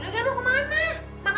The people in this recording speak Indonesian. juragan mau kemana